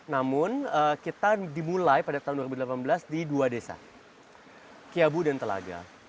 namun kita dimulai pada tahun dua ribu delapan belas di dua desa kiabu dan telaga